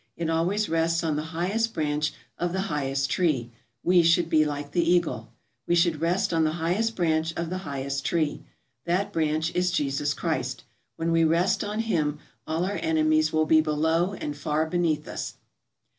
It always rests on the highest branch of the highest tree. We should be like the eagle. We should rest on the highest branch of the highest tree. That branch is Jesus Christ. When we rest on him all our enemies will be below and far beneath us."